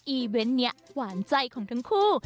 เวนต์นี้หวานใจของทั้งคู่